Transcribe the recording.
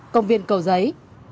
công viên cầu giấy